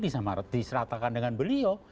diseratakan dengan beliau